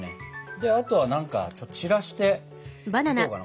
であとは何か散らしていこうかな。